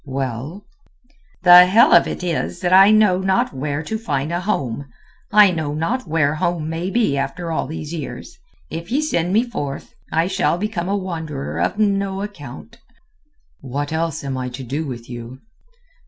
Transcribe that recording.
"Well?" "The hell of it is that I know not where to find a home, I know not where home may be after all these years. If ye send me forth, I shall become a wanderer of no account." "What else am I to do with you?"